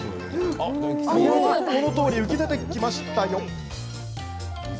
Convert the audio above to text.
このとおり、浮き出てきました。